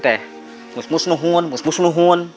mereka akan berbicara